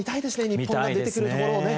日本が出てくるところをね。